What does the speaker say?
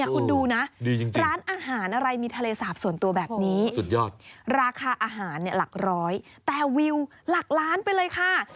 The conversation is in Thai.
คุณดูนะร้านอาหารอะไรมีทะเลสาปส่วนตัวแบบนี้สุดยอดราคาอาหารหลักร้อยแต่วิวหลักล้านไปเลยค่ะ